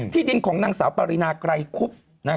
ที่ดินของนางสาวปรินากรายคุพ